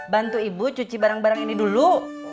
bantu ibu cuci barang barang ini dulu